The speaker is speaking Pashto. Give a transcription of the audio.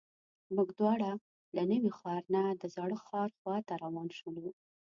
موږ دواړه له نوي ښار نه د زاړه ښار خواته روان شولو.